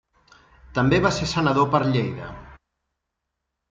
També va ser senador per Lleida.